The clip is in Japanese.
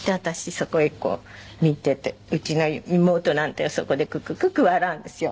そこへこう見ててうちの妹なんてそこでクククク笑うんですよ。